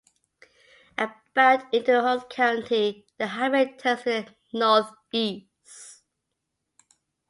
About into Huron County, the highway turns to the northeast.